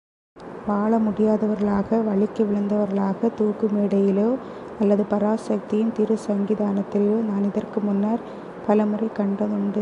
வாழமுடியாதவர்களாக, வழுக்கி விழுந்தவர்களாக, தூக்கு மேடையிலோ, அல்லது பராசக்தியின் திருச்சங்கிதானத்திலேயோ நான் இதற்கு முன்னம் பலமுறை கண்டது உண்டு.